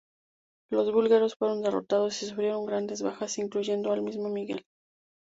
Los búlgaros fueron derrotados y sufrieron grandes bajas incluyendo al mismo Miguel.